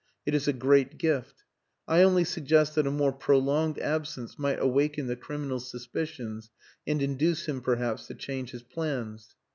It is a great gift. I only suggest that a more prolonged absence might awaken the criminal's suspicions and induce him perhaps to change his plans."